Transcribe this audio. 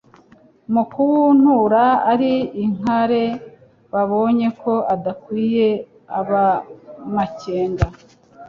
Mu kuwuntura ari inkare, babonye ko udakwiye ab'amakenga